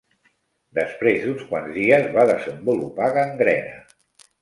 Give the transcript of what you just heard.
Després d'uns quants dies va desenvolupar gangrena.